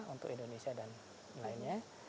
untuk indonesia dan lainnya